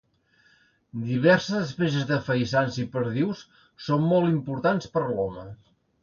Diverses espècies de faisans i perdius són molt importants per a l'home.